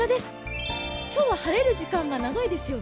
今日は晴れる時間が長いですよね。